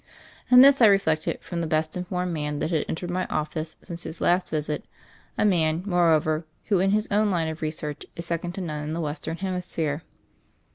And this, I reflected, from the best informed man that had entered my office since his last visit, a man, moreover, who in his own line of research is second to none in the Western Hemi sphere.